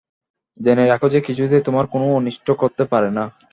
জেনে রাখ যে, কিছুতেই তোমার কোন অনিষ্ট করতে পারে না।